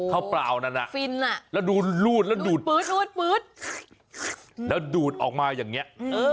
ข้าวเปล่านั้นแล้วดูดลูดแล้วดูดออกมาอย่างเงี้ย